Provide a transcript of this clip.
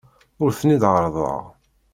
Ur ten-id-ɛerrḍeɣ.